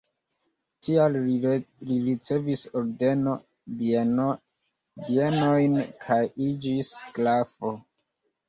Tial li ricevis ordenon, bienojn kaj iĝis grafo.